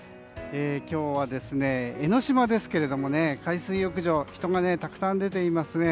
今日は江の島ですが海水浴場人がたくさん出ていますね。